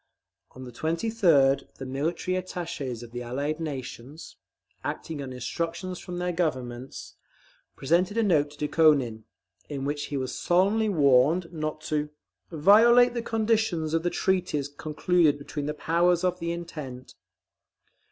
On the 23d, the military attaches of the Allied nations, acting on instructions from their Governments, presented a note to Dukhonin, in which he was solemnly warned not to "violate the conditions of the treaties concluded between the Powers of the Entente."